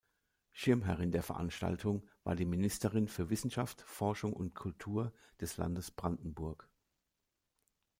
Schirmherrin der Veranstaltung war die Ministerin für Wissenschaft, Forschung und Kultur des Landes Brandenburg.